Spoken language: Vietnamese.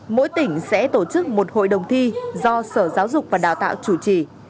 mỗi tỉnh sẽ tổ chức một hội đồng thi do sở giáo dục và đào tạo chủ trì